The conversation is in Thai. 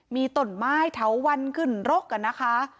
มีต้นไม้เถาวันขึ้นรกกันนะคะ